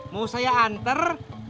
mau saya anter